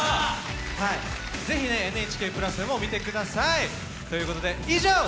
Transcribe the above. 是非ねＮＨＫプラスでも見てください。ということで以上。